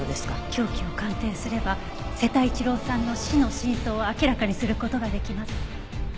凶器を鑑定すれば瀬田一郎さんの死の真相を明らかにする事ができます。